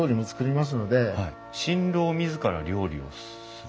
新郎自ら料理をする？